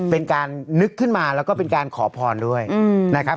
เป็นการนึกขึ้นมาแล้วก็เป็นการขอพรด้วยนะครับ